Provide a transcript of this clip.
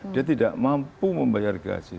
dia tidak mampu membayar gaji